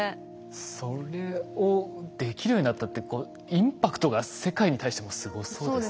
それをできるようになったってインパクトが世界に対してもすごそうですね。